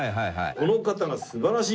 この方が素晴らしい。